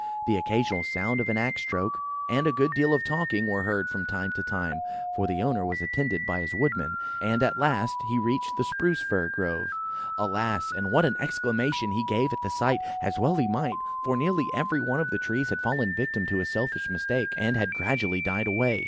The occasional sound of an axe stroke, and a good deal of talking, were heard from time to time, for the owner was attended by his woodman: and at last he reached the Spruce fir grove. Alas! and what an exclamation he gave at the sight, as well he might; for nearly every one of the trees had fallen a victim to his selfish mistake, and had gradually died away.